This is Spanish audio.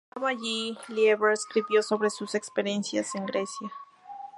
Mientras estaba allí, Lieber escribió sobre sus experiencias en Grecia.